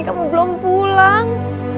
kamu belum pulang